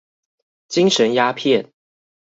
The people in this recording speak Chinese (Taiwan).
精神鴉片